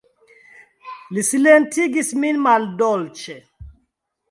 Li silentigis min maldolĉe.